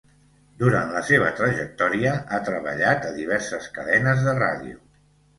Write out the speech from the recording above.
Durant la seva trajectòria ha treballat a diverses cadenes de ràdio.